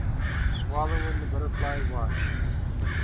"The swallow and the butterfly watched.